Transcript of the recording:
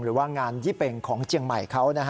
หรือก็ยังว่างานยี่เป็งของเจียงใหม่